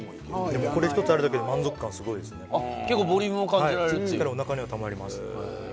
これ１つあるだけで満足感すごい結構、ボリュームも感じられおなかにはたまります。